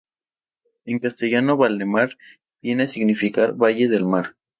En castellano, "Valdemar" viene a significar "valle del mar".